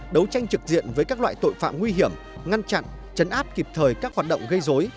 đấu tranh trực diện với các loại tội phạm nguy hiểm ngăn chặn chấn áp kịp thời các hoạt động gây dối